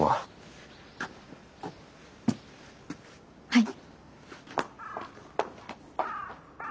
はい。